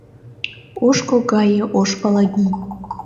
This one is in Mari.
Ошко гае ош Палагий